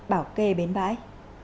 bảo kê bến bãi